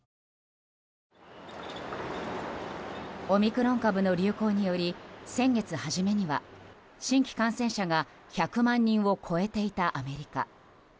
オミクロン株の流行により先月初めには新規感染者が１００万人を超えていたアメリカ。